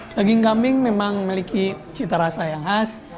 daging kambing memang memiliki cita rasa yang khas